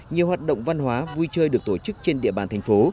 nhiều hoạt động văn hóa vui chơi được tổ chức trên địa bàn thành phố